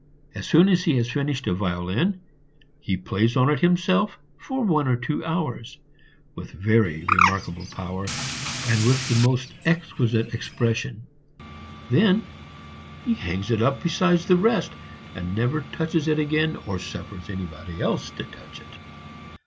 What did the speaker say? As soon as he has finished a violin he plays on it himself for one or two hours, with very remarkable power and with the most exquisite expression, then he hangs it up beside the rest, and never touches it again or suffers anybody else to touch it.